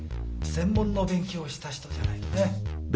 専門の勉強をした人じゃないとね。